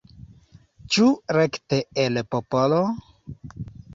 Ĉu rekte el popolo?